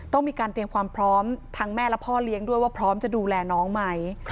ต้องมีการเตรียมความพร้อมทั้งแม่และพ่อเลี้ยงด้วยว่าพร้อมจะดูแลน้องไหม